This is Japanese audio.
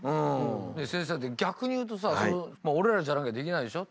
先生逆に言うとさ「俺らじゃなきゃできないでしょ。